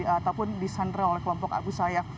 ataupun disandera oleh kelompok agusahaya